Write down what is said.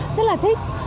rất là thích